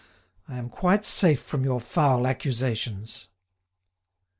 I am quite safe from your foul accusations."